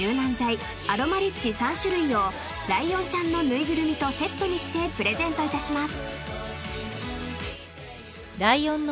３種類をライオンちゃんの縫いぐるみとセットにしてプレゼントいたします］